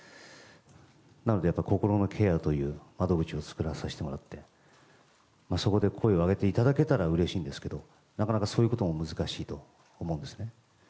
なので、心のケアという窓口を作らせてもらってそこで声を上げていただけたらうれしいんですけどもなかなかそういうことも難しいと思うんですね。